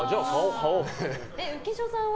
浮所さんは？